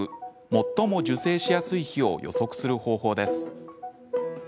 最も受精しやすい日を予測する方法です。